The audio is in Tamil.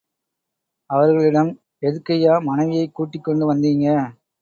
அவர்களிடம் எதுக்கய்யா மனைவியைக் கூட்டிக் கொண்டு வந்தீங்க?